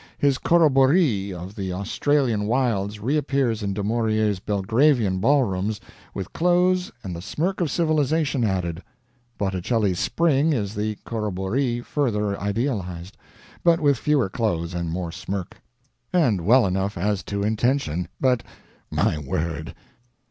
His "corrobboree" of the Australian wilds reappears in De Maurier's Belgravian ballrooms, with clothes and the smirk of civilization added; Botticelli's "Spring" is the "corrobboree" further idealized, but with fewer clothes and more smirk. And well enough as to intention, but my word!